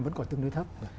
vẫn còn tương đối thấp